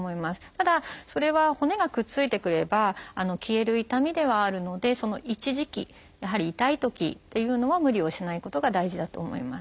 ただそれは骨がくっついてくれば消える痛みではあるのでその一時期やはり痛いときというのは無理をしないことが大事だと思います。